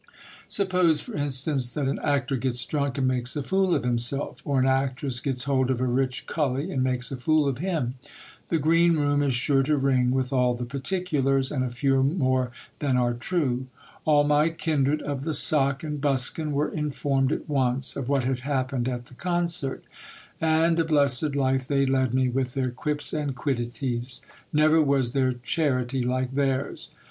Suppose, for instance, that an actor gets drunk and makes a fool of himself, or an actress gets hold of a rich cully and makes a fool of him ! The green room is sure to ring with all the particulars, and a few more than are true. All my HISTOR Y OF DON RAPHAEL. 191 kindred of the sock and buskin were informed at once of what had happened at the concert, and a blessed life they led me with their quips and quiddities. Never was there charity like theirs.